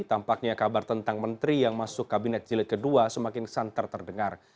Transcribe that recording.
tampaknya kabar tentang menteri yang masuk kabinet jilid kedua semakin santer terdengar